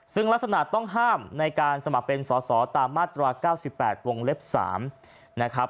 ซึ่งลักษณะต้องห้ามในการสมัครเป็นสอสอตามมาตรา๙๘๓